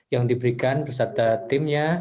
yang diberikan peserta timnya